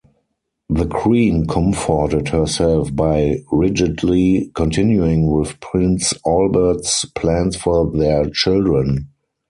The Queen comforted herself by rigidly continuing with Prince Albert's plans for their children.